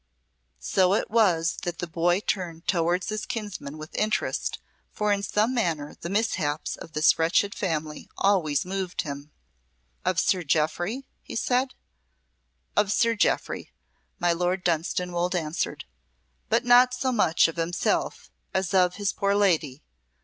So it was that the boy turned towards his kinsman with interest, for in some manner the mishaps of this wretched family always moved him. "Of Sir Jeoffry?" he said. "Of Sir Jeoffry," my Lord Dunstanwolde answered; "but not so much of himself as of his poor lady.